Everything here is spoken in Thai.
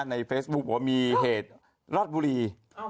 ในเฟซบุ๊คบอกว่ามีเหตุรอดบุรี